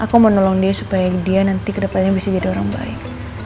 aku menolong dia supaya dia nanti kedepannya bisa jadi orang baik